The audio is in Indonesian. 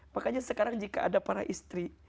makanya sekarang jika ada para istri